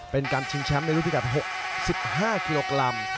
เป็นการชิงแชมป์ในรุ่นพิกัด๖๕กิโลกรัม